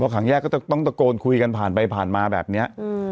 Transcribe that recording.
ขังแยกก็ต้องตะโกนคุยกันผ่านไปผ่านมาแบบนี้